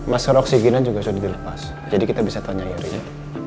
masker oksigennya juga sudah dilepas jadi kita bisa tanya irinya